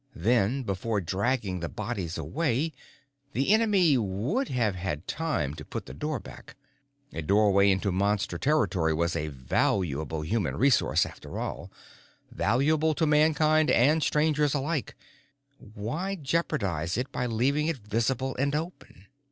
Then, before dragging the bodies away, the enemy would have had time to put the door back. A doorway into Monster territory was a valuable human resource, after all, valuable to Mankind and Strangers alike why jeopardize it by leaving it visible and open?